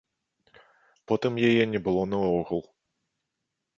Потым яе не было наогул.